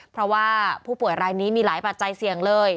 เพราะว่าผู้ป่วยรายนี้มีหลายปัจจัยเสี่ยงเลย